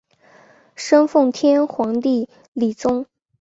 生奉天皇帝李琮。